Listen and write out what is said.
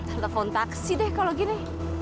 telepon taksi deh kalau gini